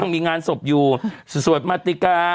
มีงานศพอยู่สวดมาติกา